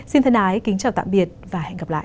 xin thân ái kính chào tạm biệt và hẹn gặp lại